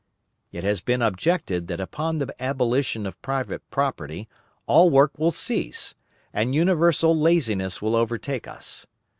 It has been objected that upon the abolition of private property all work will cease, and universal laziness will overtake us.